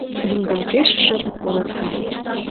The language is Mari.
Лӱҥгалтеш шып колотка.